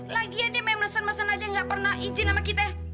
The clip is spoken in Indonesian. lagian dia main mesen mesen aja gak pernah izin sama kita